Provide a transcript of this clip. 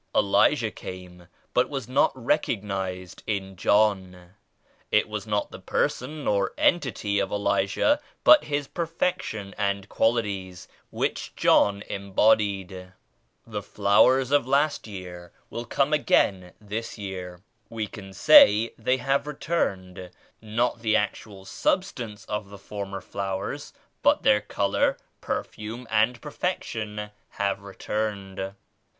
Elijah came but was not recognized in John. It was not the person or entity of Elijah but his perfection and quali ties which John embodied. The flowers of last year will come again this year. We can say they have returned ;— not the actual substance of the former flowers but their color, perfume and perfection have returned.